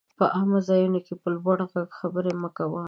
په عامه ځايونو کي په لوړ ږغ خبري مه کوئ!